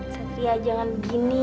satria jangan begini